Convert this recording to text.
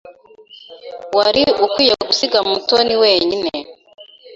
Wari ukwiye gusiga Mutoni wenyine.